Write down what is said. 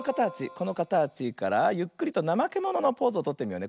このかたちからゆっくりとなまけもののポーズをとってみようね。